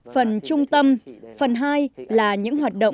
phần trung tâm phần hai là những hoạt động